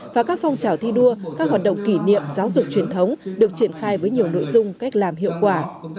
và các phong trào thi đua các hoạt động kỷ niệm giáo dục truyền thống được triển khai với nhiều nội dung cách làm hiệu quả